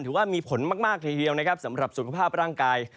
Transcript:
ถือว่ามีผลมากทีเดียวนะครับสำหรับสุขภาพร่างกาย